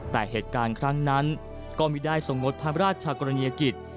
แต่เหตุการณ์ครั้งนั้นก็ไม่ได้ทรงงดพระราชกรณียกิจ